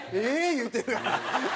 言うてるやん。